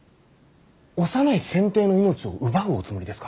幼い先帝の命を奪うおつもりですか。